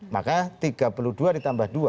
maka tiga puluh dua ditambah dua